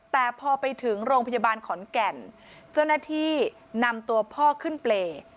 แต่พอไปถึงโรงพยาบาลขอนแก่นเจ้าหน้าที่นำตัวพ่อขึ้นเปรย์